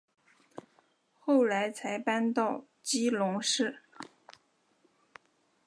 后来才搬到基隆市。